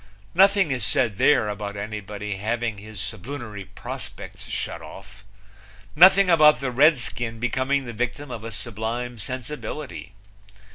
Nothing is said there about anybody having his sublunary prospects shut off; nothing about the Redskin becoming the victim of a sublime sensibility.